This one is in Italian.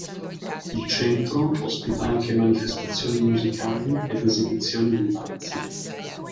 Il centro ospita anche manifestazioni musicali ed esibizioni di danza.